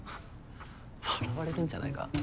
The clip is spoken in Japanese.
笑われるんじゃないか？